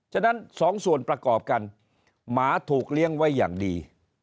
ฉะนั้นสองส่วนประกอบกันหมาถูกเลี้ยงไว้อย่างดี